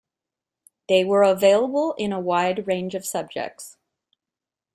They were available in a wide range of subjects.